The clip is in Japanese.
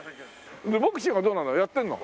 でボクシングはどうなの？